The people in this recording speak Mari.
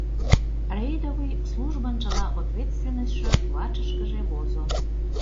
Рейдовый службын чыла ответственностьшо вачышкыже возо.